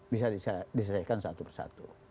bisa diselesaikan satu persatu